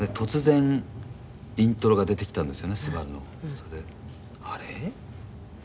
それで、あれ？